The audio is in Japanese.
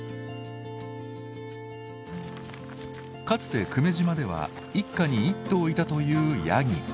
かつて久米島では一家に一頭いたというヤギ。